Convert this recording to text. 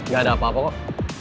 gak ada apa apa kok